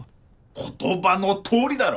言葉の通りだろ！